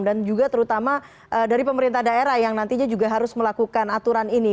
dan juga terutama dari pemerintah daerah yang nantinya juga harus melakukan aturan ini